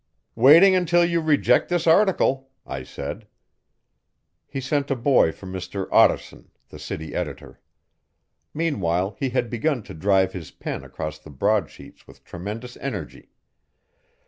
'Waiting until you reject this article,' I said. He sent a boy for Mr Ottarson, the city editor. Meanwhile he had begun to drive his pen across the broadsheets with tremendous energy.